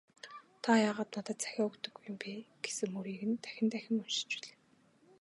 "Та яагаад надад захиа өгдөггүй юм бэ» гэсэн мөрийг нь дахин дахин уншиж билээ.